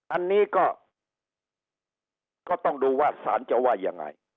อันนี้ก็ต้องดูว่าสารจะว่ายังไง